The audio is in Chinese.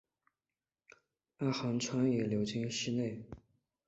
阿寒川也流经市内。